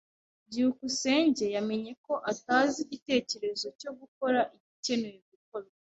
byukusenge yamenye ko atazi igitekerezo cyo gukora igikenewe gukorwa.